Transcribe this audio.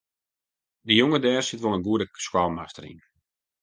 Dy jonge dêr sit wol in goede skoalmaster yn.